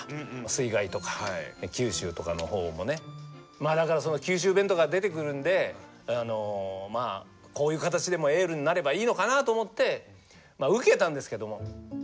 まあだから九州弁とか出てくるんでまあこういう形でもエールになればいいのかなと思って受けたんですけども。